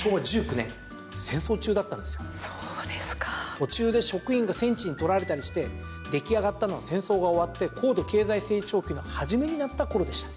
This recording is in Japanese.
途中で職員が戦地に取られたりして出来上がったのは戦争が終わって高度経済成長期の初めになった頃でした。